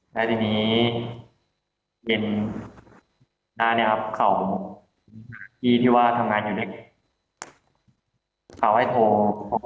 และทีนี้เบียนหน้าข่าวที่ว่าทำงานอยู่ในไหนข่าวให้โทร